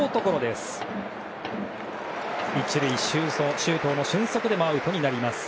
１塁、周東の俊足でもアウトになりました。